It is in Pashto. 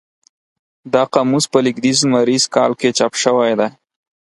دا قاموس په لېږدیز لمریز کال کې چاپ شوی دی.